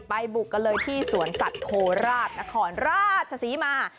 บุกกันเลยที่สวนสัตว์โคราชนครราชศรีมา